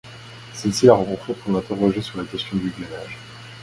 Celle-ci l'a rencontré pour l'interroger sur la question du glanage.